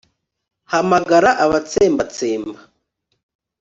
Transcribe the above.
Hamagara abatsembatsemba